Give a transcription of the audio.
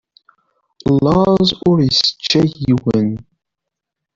Laẓ ur yesseččay yiwen.